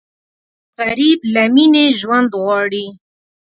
غریب له مینې ژوند غواړي